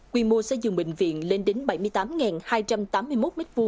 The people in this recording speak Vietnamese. quy mô xây dựng bệnh viện lên đến bảy mươi tám hai trăm tám mươi một m hai